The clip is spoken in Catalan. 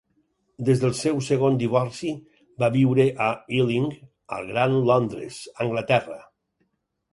Des del seu segon divorci, va viure a Ealing, al Gran Londres (Anglaterra).